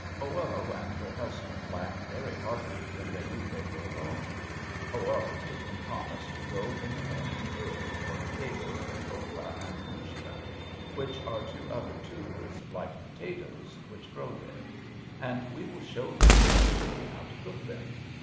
Oello and her husband laughed very heartily when they knew they were alone. Oello made him promise to go in the morning early for potatoes, and oca, and mashua, which are two other tubers like potatoes which grow there. "And we will show them," said she, "how to cook them."